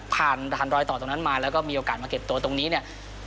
ผ่านด่านรอยต่อตรงนั้นมาแล้วก็มีโอกาสมาเก็บตัวตรงนี้เนี่ย